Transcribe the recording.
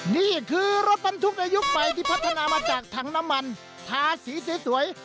นี่คือรถปันทุกอายุไปที่พัฒนามาจากถังน้ำมันทาสีสีสวย